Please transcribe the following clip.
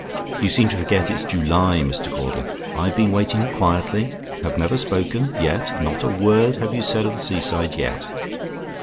You seem to forget it's July, Mr. Caudle. I've been waiting quietly have never spoken; yet, not a word have you said of the seaside yet.